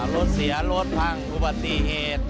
รถเสียรถพังอนุปัตต์ปีเหตุ